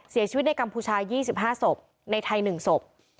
เสียชีวิตในกัมพูชา๒๕ศพในไทย๑ศพ